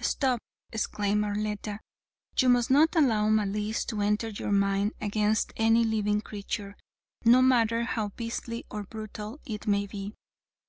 "Stop," exclaimed Arletta, "you must not allow malice to enter your mind against any living creature, no matter how beastly or brutal it may be.